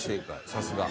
さすが。